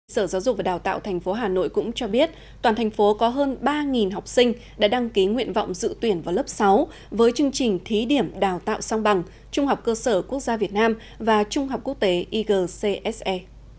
sở giáo dục và đào tạo tp hà nội cũng cho biết toàn thành phố có hơn ba học sinh đã đăng ký nguyện vọng dự tuyển vào lớp sáu với chương trình thí điểm đào tạo song bằng trung học cơ sở quốc gia việt nam và trung học quốc tế igcse